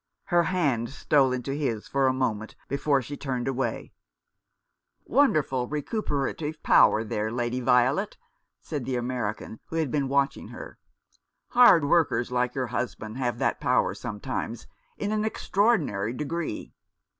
Her hand stole into his for a moment before she turned away. 362 A New Development. "Wonderful recuperative power there, Lady Violet," said the American, who had been watch ing her. " Hard workers like your husband have that power sometimes in an extraordinary degree.